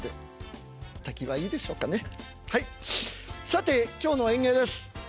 さて今日の演芸です。